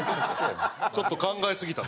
ちょっと考えすぎたな。